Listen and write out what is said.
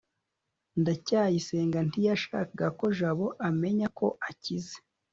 ndacyayisenga ntiyashakaga ko jabo amenya ko akize